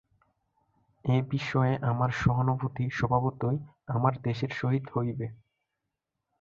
এ বিষয়ে আমার সহানুভূতি স্বভাবতই আমার দেশের সহিত হইবে।